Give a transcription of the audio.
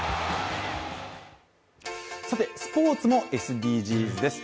さて、スポーツもＳＤＧｓです。